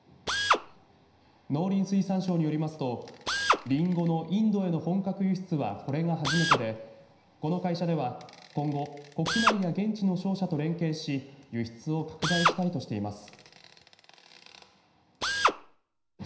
農林水産省によりますとりんごのインドへの本格輸出はこれが初めてでこの会社では今後、国内や現地の商社と連携し輸出を拡大したいとしています。